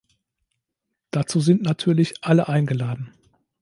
Dazu sind natürlich alle eingeladen.